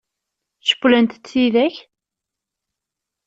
Cewwlent-tent tidak?